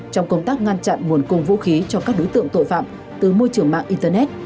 trong công tác ngăn chặn nguồn cung vũ khí cho các đối tượng tội phạm từ môi trường mạng internet